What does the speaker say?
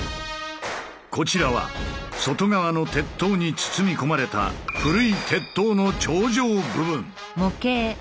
こちらは外側の鉄塔に包み込まれた古い鉄塔の頂上部分。